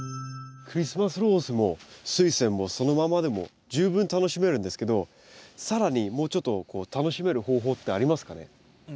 クリスマスローズもスイセンもそのままでも十分楽しめるんですけど更にもうちょっと楽しめる方法ってありますかね？